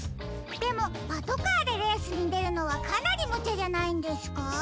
でもパトカーでレースにでるのはかなりむちゃじゃないんですか？